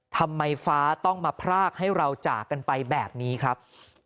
ทำไมฟ้าต้องมาพรากให้เราจากกันไปแบบนี้ครับ